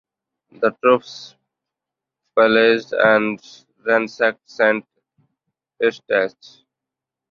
The troops pillaged and ransacked Saint-Eustache.